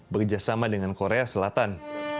bekerjasama dengan korea selatan